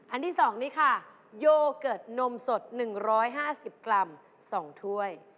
ที่๒นี้ค่ะโยเกิร์ตนมสด๑๕๐กรัม๒ถ้วย